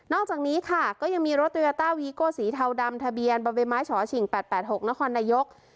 นอกจากนี้ค่ะก็ยังมีรถตัวยาต้าวีโกสีเทาดำทะเบียนบำเบนไม้ฉอฉิ่งแปดแปดหกนครนายก